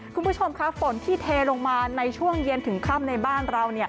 คุณผู้ชมค่ะฝนที่เทลงมาในช่วงเย็นถึงค่ำในบ้านเรา